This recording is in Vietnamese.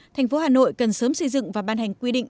thành phố hà nội cần sớm xây dựng và ban hành quy định